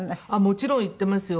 もちろん言ってますよ。